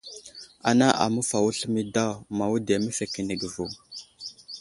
Ana aməfawo sləmay daw mawudiya məfekenege vo.